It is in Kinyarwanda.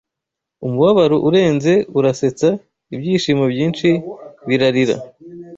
Umubabaro urenze urasetsa. Ibyishimo byinshi birarira